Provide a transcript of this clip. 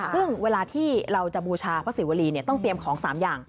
ซึ่งเวลาที่เราจะบูชาพระศิวรีต้องเตรียมของ๓อย่าง